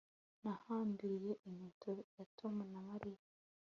Nahambiriye inkweto za Tom na Mariya